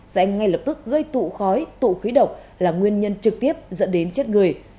sẽ ngay lập tức gây tụ khói tụ khí độc là nguyên nhân trực tiếp dẫn đến chết người